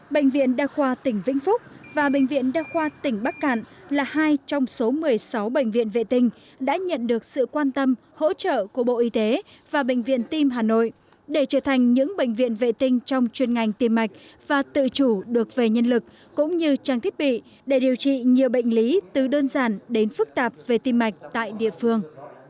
bệnh viện đa khoa tỉnh vĩnh phúc và bệnh viện đa khoa tỉnh bắc cạn là hai trong số một mươi sáu bệnh viện vệ tinh đã nhận được sự quan tâm hỗ trợ của bộ y tế và bệnh viện tiêm hà nội để trở thành những bệnh viện vệ tinh trong chuyên ngành tiêm mạch và tự chủ được về nhân lực cũng như trang thiết bị để điều trị nhiều bệnh lý từ đơn giản đến phức tạp về tiêm mạch tại địa phương